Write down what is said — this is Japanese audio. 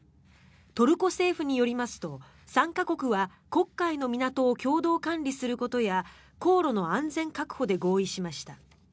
トルコ政府によりますと参加国は黒海の港を共同管理することや航路の安全確保で合意しました。